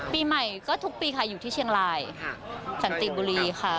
ปีใหม่ก็ทุกปีค่ะอยู่ที่เชียงรายสันติบุรีค่ะ